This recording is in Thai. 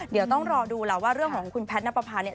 เดี๋ยวต้องรอดูแล้วว่าเรื่องของคุณแพทย์นับประพาเนี่ย